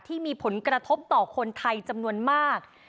ที่มีผลกระทบต่อคนไทยจำนวนมาก